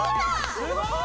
すごーい！